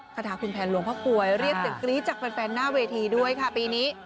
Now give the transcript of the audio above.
คาถาขุนแผนหลวงพระกรวยเรียนตึกรี๊ดจากแฟนแฟนหน้าเวทีด้วยค่ะปีนี้